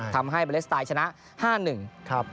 ทำให้เบเลสตายชนะ๕๑ครับ